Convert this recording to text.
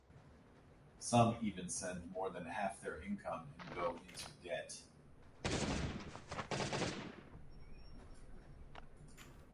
Some even send more than half their income and go into debt.